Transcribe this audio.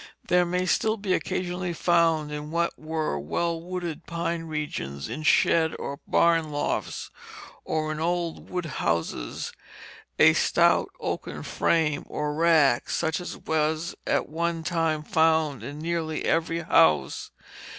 There may still be occasionally found in what were well wooded pine regions, in shed or barn lofts, or in old wood houses, a stout oaken frame or rack such as was at one time found in nearly every house.